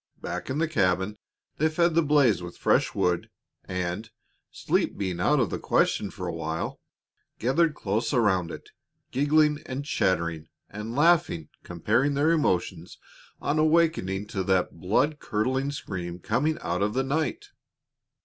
Back in the cabin they fed the blaze with fresh wood, and, sleep being out of the question for a while, gathered close around it, giggling and chattering and laughingly comparing their emotions on awakening to that blood curdling scream coming out of the night.